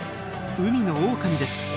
海のオオカミです。